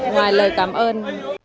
ngoài lời cảm ơn